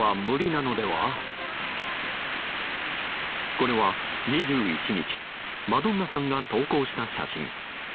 これは、２１日マドンナさんが投稿した写真。